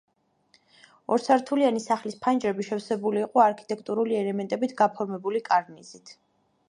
ორსართულიანი სახლის ფანჯრები შევსებული იყო არქიტექტურული ელემენტებით გაფორმებული კარნიზით.